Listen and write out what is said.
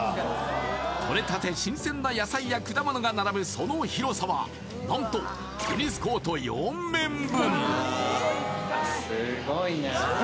とれたて新鮮や野菜や果物が並ぶその広さは、なんとテニスコート４面分。